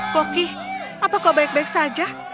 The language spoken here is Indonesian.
koki apa kau baik baik saja